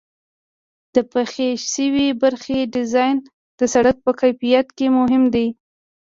د پخې شوې برخې ډیزاین د سرک په کیفیت کې مهم دی